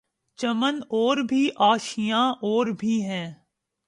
چمن اور بھی آشیاں اور بھی ہیں